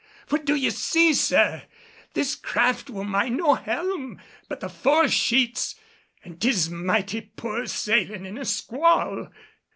For d'ye see, sir, this craft will mind no helm but the fore sheets, and 'tis mighty poor sailin' in a squall."